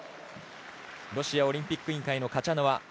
ロシアオリンピック委員会カチャノワ。